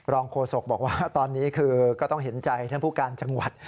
โฆษกบอกว่าตอนนี้คือก็ต้องเห็นใจท่านผู้การจังหวัด